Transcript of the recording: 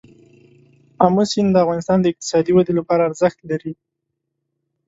آمو سیند د افغانستان د اقتصادي ودې لپاره ارزښت لري.